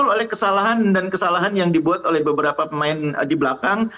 oleh kesalahan dan kesalahan yang dibuat oleh beberapa pemain di belakang